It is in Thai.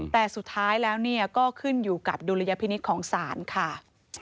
แต่สุดท้ายแล้วก็ขึ้นอยู่กับดุลยพินิษฐ์ของศาลค่ะ